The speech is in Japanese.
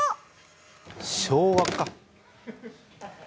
昭和か。